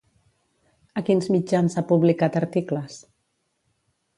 A quins mitjans ha publicat articles?